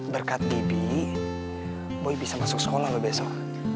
berkat di bi boy bisa masuk sekolah besok